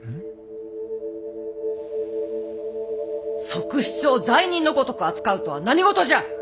側室を罪人のごとく扱うとは何事じゃ！